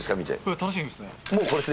楽しみですね。